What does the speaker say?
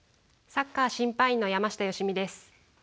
サッカー審判員の山下良美です。